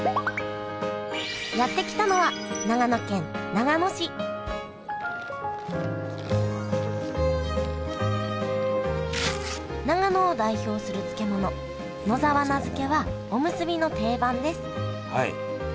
やって来たのは長野県長野市長野を代表する漬物野沢菜漬けはおむすびの定番ですはい。